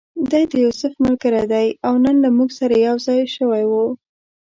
دی د یوسف ملګری دی او نن له موږ سره یو ځای شوی و.